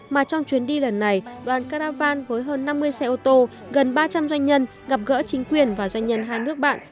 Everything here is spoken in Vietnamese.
mà trong chuyến đi lần này đoàn caravan với hơn năm mươi xe ô tô gần ba trăm linh doanh nhân gặp gỡ chính quyền và doanh nhân hai nước bạn